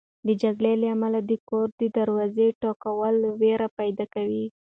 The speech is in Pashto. د جګړې له امله د کور د دروازې ټکول وېره پیدا کوي.